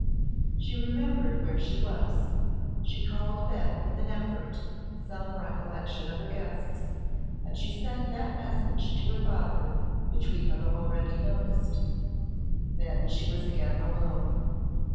She remembered where she was, she called back with an effort some recollection of her guests, and she sent that message to her father which we have already noticed. Then she was again alone.